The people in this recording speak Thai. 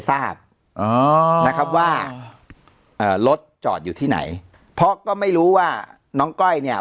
ทราบอ๋อนะครับว่าเอ่อรถจอดอยู่ที่ไหนเพราะก็ไม่รู้ว่าน้องก้อยเนี่ย